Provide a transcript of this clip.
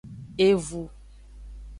Evu.